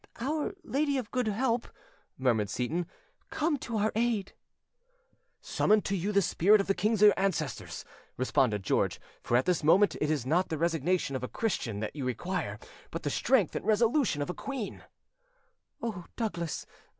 "Our Lady of Good Help," murmured Seyton, "come to our aid!" "Summon to you the spirit of the kings your ancestors," responded George, "for at this moment it is not the resignation of a Christian that you require, but the strength and resolution of a queen" "Oh, Douglas!